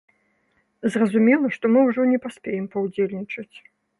Зразумела, што мы ўжо не паспеем паўдзельнічаць.